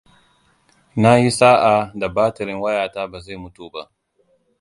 Na yi sa'a, da batirin wayata ba zai mutu ba.